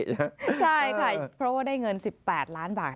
ใช่ค่ะเพราะว่าได้เงิน๑๘ล้านบาท